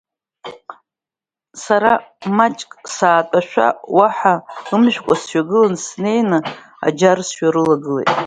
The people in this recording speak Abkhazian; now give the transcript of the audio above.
Сара маҷк саатәашәа, уаҳа ымжәкәа сҩагылан, снеины аџьар сҩарылагылеит.